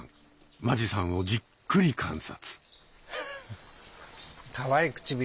間地さんをじっくり観察。